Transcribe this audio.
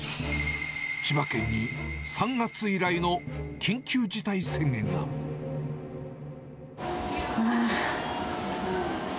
千葉県に３月以来の緊急事態はぁー。